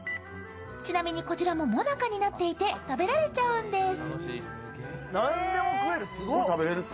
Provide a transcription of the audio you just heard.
ちなみにこちらも、もなかになっていて食べられちゃうんです。